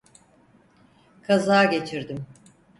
Kaza geçirdim.